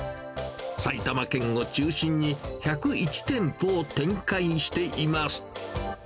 埼玉県を中心に、１０１店舗を展開しています。